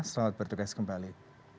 selamat bertugas kembali